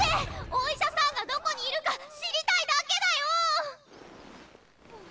お医者さんがどこにいるか知りたいだけだよ！